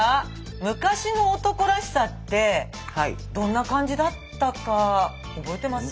昔の男らしさってどんな感じだったか覚えてます？